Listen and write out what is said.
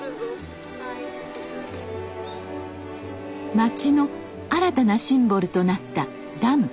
町の新たなシンボルとなったダム。